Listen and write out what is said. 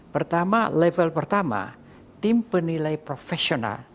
pertama level pertama tim penilai profesional